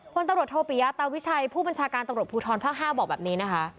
คนตำรวจโทปิยาตาวิชัยผู้บัญชาการตำรวจภูทรภาค๕บอกแบบนี้นะคะ